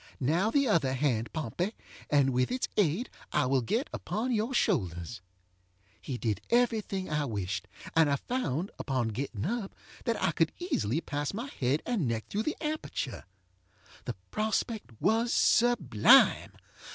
Now, the other hand, Pompey, and with its aid I will get upon your shoulders. ŌĆØ He did every thing I wished, and I found, upon getting up, that I could easily pass my head and neck through the aperture. The prospect was sublime.